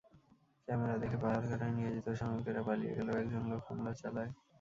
Camera দেখে পাহাড় কাটায় নিয়োজিত শ্রমিকেরা পালিয়ে গেলেও একজন লোক হামলা চালায়।